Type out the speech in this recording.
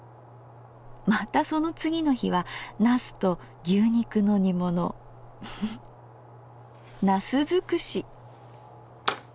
またその次の日は「茄子と牛肉の煮物」。茄子尽くし！